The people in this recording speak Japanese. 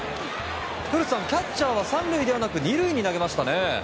古田さんキャッチャーは３塁ではなく２塁に投げましたね。